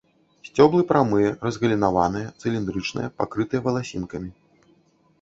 Сцеблы прамыя, разгалінаваныя, цыліндрычныя, пакрытыя валасінкамі.